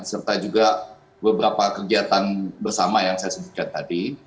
serta juga beberapa kegiatan bersama yang saya sebutkan tadi